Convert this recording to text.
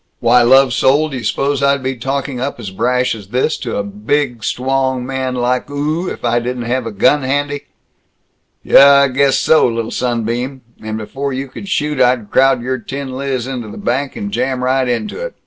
"Why, lovesoul, d' you suppose I'd be talking up as brash as this to a bid, stwong man like oo if I didn't have a gun handy?" "Yuh, I guess so, lil sunbeam. And before you could shoot, I'd crowd your tin liz into the bank, and jam right into it!